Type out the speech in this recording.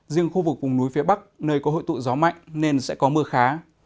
riêng khu vực vùng núi phía bắc nơi có hội tụ gió mạnh nên sẽ có mưa khá